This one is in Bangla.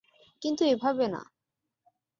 কিন্তু এভাবে না।